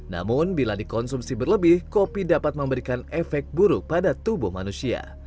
namun bila dikonsumsi berlebih kopi dapat memberikan efek buruk pada tubuh manusia